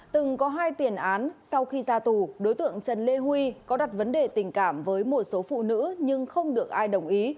từng có hai tiền án sau khi ra tù đối tượng trần lê huy có đặt vấn đề tình cảm với một số phụ nữ nhưng không được ai đồng ý